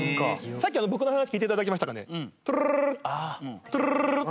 さっき僕の話聞いて頂けましたかね？